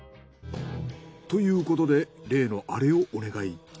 ということで例のアレをお願い。